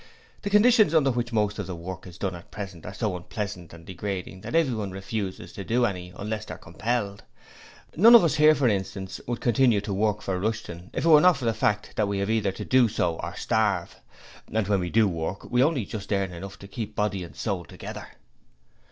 The conditions under which most of the work is done at present are so unpleasant and degrading that everyone refuses to do any unless they are compelled; none of us here, for instance, would continue to work for Rushton if it were not for the fact that we have either to do so or starve; and when we do work we only just earn enough to keep body and soul together.